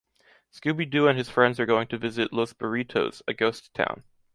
Scooby-Doo and his friends are going to visit Los Burritos, a ghost town.